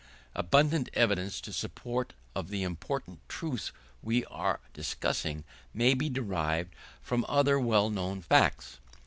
Abundant evidence in support of the important truth we are discussing, may be derived from other well known facts.